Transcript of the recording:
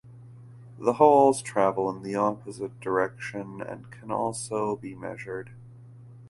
The holes travel in the opposite direction and can also be measured.